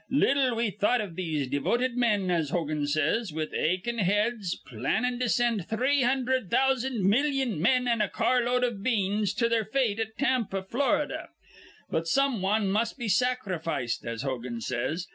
Little we thought iv these devoted men, as Hogan says, with achin' heads, plannin' to sind three hundherd thousand millyon men an' a carload iv beans to their fate at Tampa, Fla. But some wan must be sacrificed, as Hogan says.